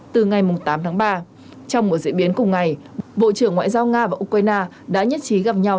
từ ngày tám tháng ba trong một diễn biến cùng ngày bộ trưởng ngoại giao nga và ukraine đã nhất trí gặp nhau